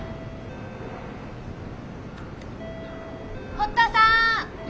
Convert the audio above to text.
堀田さん。